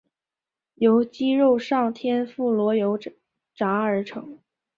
由鸡肉上天妇罗油炸而成。